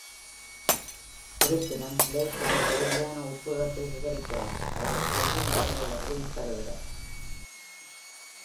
இருப்பினும், பிளேக் உடல் ரீதியான உத்வேகத்தை விவரிக்கிறார், அவரது கையின் நரம்புகளுக்கு உயிர் தருகிறார்.